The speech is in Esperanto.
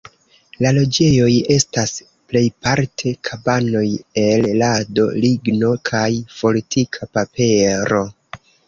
La loĝejoj estas plejparte kabanoj el lado, ligno kaj fortika papero.